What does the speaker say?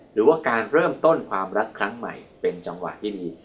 หรือว่าการเริ่มต้นความรักครั้งใหม่เป็นจังหวะที่ดี